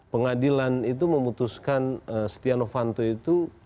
pengadilan itu memutuskan setia novanto itu